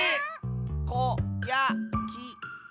こやきた？